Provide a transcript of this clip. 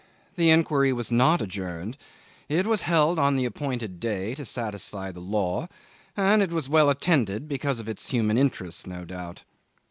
The inquiry was not adjourned. It was held on the appointed day to satisfy the law, and it was well attended because of its human interest, no doubt.